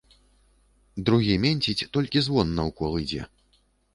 Другі менціць, толькі звон наўкол ідзе.